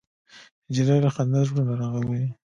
نجلۍ له خندا زړونه رغوي.